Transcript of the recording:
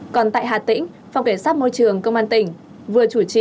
còn tại hà tĩnh phòng kiểm soát môi trường công an tỉnh vừa chủ trì